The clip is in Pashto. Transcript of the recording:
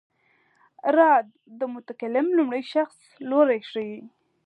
را د متکلم لومړی شخص لوری ښيي.